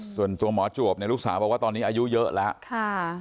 ส่วนตัวหมอจวบเนี่ยลูกสาวบอกว่าตอนนี้อายุเยอะแล้ว